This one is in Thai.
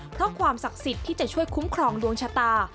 เพราะความศักดิ์สิทธิ์ที่จะช่วยคุ้มครองดวงชะตา